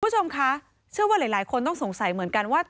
คุณผู้ชมคะเชื่อว่าหลายคนต้องสงสัยเหมือนกันว่า